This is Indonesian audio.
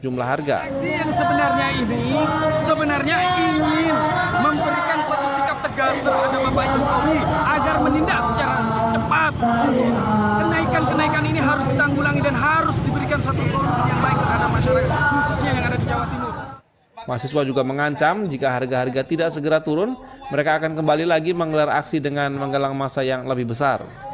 mahasiswa juga mengancam jika harga harga tidak segera turun mereka akan kembali lagi menggelar aksi dengan menggelang masa yang lebih besar